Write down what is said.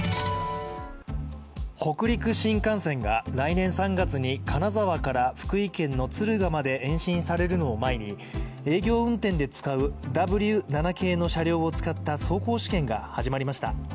北陸新幹線が来年３月に金沢から福井県の敦賀まで延伸されるのを前に、営業運転で使うＷ７系の車両を使った走行試験が始まりました。